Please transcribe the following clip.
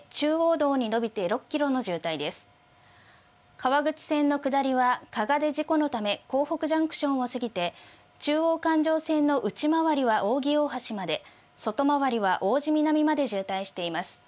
川口線の下りは、かがで事故のため、港北ジャンクションを過ぎて、中央環状線の内回りはおうぎ大橋まで、外回りはおうじみなみまで渋滞しています。